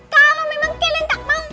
kalau memang kalian tak mau